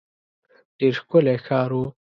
ډېر ښکلی ښار وو.